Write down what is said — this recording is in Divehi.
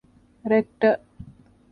ރެކްޓަރ